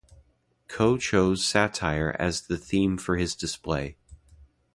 Coe chose satire as the theme for his display.